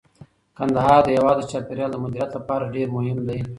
کندهار د هیواد د چاپیریال د مدیریت لپاره ډیر مهم دی.